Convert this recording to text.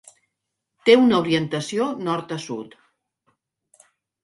Té una orientació nord a sud.